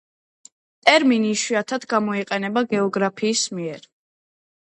ტერმინი იშვიათად გამოიყენება გეოგრაფების მიერ.